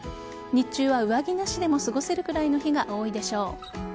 日中は上着なしでも過ごせるくらいの日が多いでしょう。